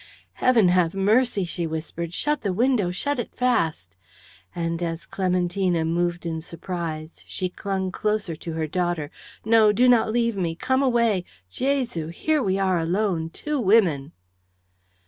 "Heaven have mercy!" she whispered; "shut the window! Shut it fast!" and as Clementina moved in surprise, she clung the closer to her daughter. "No, do not leave me! Come away! Jesu! here are we alone, two women!"